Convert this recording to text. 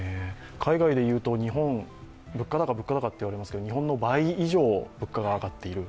海外で言うと、日本は物価高、物価高と言われますけど、日本の倍以上物価が上がっている。